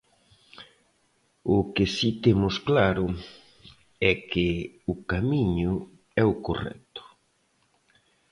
O que si temos claro é que o camiño é o correcto.